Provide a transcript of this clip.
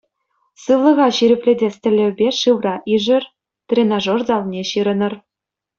Сывлӑха ҫирӗплетес тӗллевпе шывра ишӗр, тренажер залне ҫырӑнӑр.